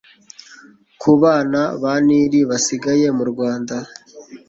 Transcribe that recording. ku bana ba Nili basigaye mu rwanda